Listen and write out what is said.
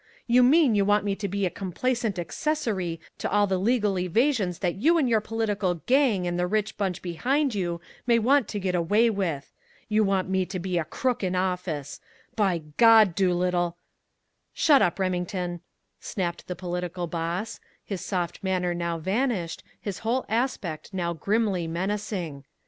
"You mean you want me to be a complacent accessory to all the legal evasions that you and your political gang and the rich bunch behind you may want to get away with! You want me to be a crook in office! By God, Doolittle " "Shut up, Remington," snapped the political boss, his soft manner now vanished, his whole aspect now grimly menacing.